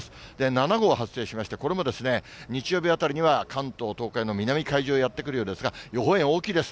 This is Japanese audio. ７号が発生しまして、これも日曜日あたりには関東、東海の南海上へやって来るようですが、予報円大きいです。